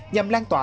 nhằm lan truyền